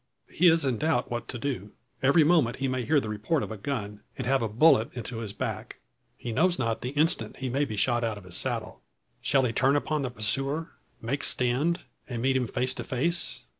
He is in doubt what to do. Every moment he may hear the report of a gun, and have a bullet into his back. He knows not the instant he may be shot out of his saddle. Shall he turn upon the pursuer, make stand, and meet him face to face?